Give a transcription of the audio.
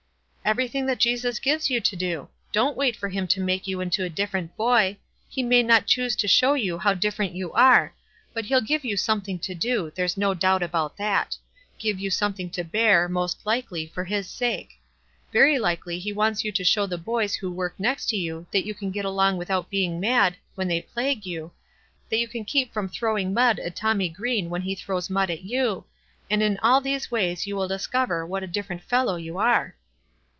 "Everything that Jesus gives you to do. Don't wait for him to make you into a different boy. He may not choose to show you how different you are, but he'll give you something to do, there's no doubt about that — give you something to bear, most likely, for his sake. Very likely he wants you to show the boys who WISE AND OTHERWISE. 241 work next to you that you can get along with out being mad when they plague you, that you can keep from throwing mud at Tommy Green when he throws mud at you, and in all these ways yon will discover what a different fellow you are."